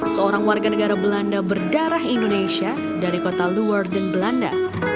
seorang warga negara belanda berdarah indonesia dari kota lowardon belanda